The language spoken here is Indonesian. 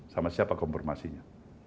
sama siapa konfirmasinya